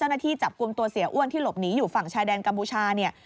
เจ้าหน้าที่จับกลุ่มตัวเสียอ้วนที่หลบหนีอยู่ฝั่งชายแดนกัมพูชา